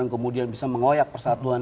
yang kemudian bisa mengoyak persatuan